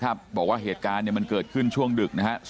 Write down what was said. บอกว่าเหตุการณ์มันเกิดขึ้นช่วงดึกนะฮะ